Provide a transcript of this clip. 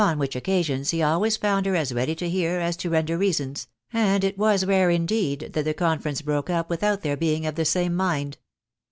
which occasion he always found her as ready to hear as to render reason*, and it was tore indeed that the conference broke up without their being of the same mind.